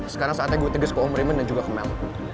sekarang saatnya gue tegas ke om raymond dan juga ke mel